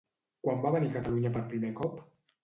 Quan va venir a Catalunya per primer cop?